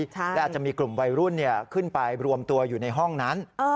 และอาจจะมีกลุ่มวัยรุ่นขึ้นไปรวมตัวอยู่ในห้องนั้น